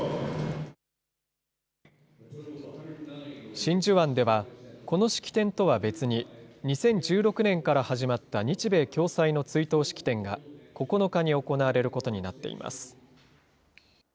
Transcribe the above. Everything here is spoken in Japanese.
真珠湾では、この式典とは別に、２０１６年から始まった日米共催の追悼式典が９日に行われることになっています。